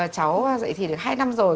cháu dậy thì được hai năm rồi